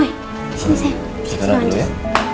kita taruh dulu ya